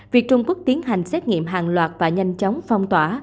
việc trung quốc tiến hành xét nghiệm hàng loạt và nhanh chóng phong tỏa